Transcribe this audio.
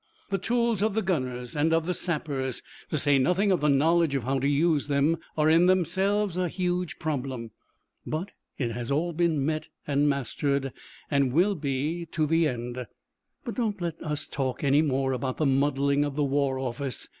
The tools of the gunners, and of the sappers, to say nothing of the knowledge of how to use them, are in themselves a huge problem. But it has all been met and mastered, and will be to the end. But don't let us talk any more about the muddling of the War Office.